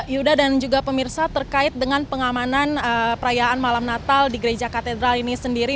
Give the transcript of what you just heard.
yuda dan juga pemirsa terkait dengan pengamanan perayaan malam natal di gereja katedral ini sendiri